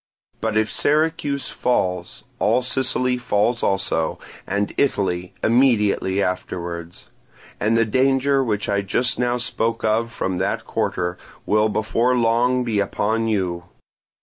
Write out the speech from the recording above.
But if Syracuse falls, all Sicily falls also, and Italy immediately afterwards; and the danger which I just now spoke of from that quarter will before long be upon you.